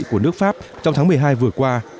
của nước pháp trong tháng một mươi hai vừa qua